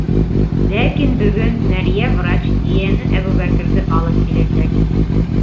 Ләкин бөгөн мәрйә врач ейәне Әбүбәкерҙе алып киләсәк.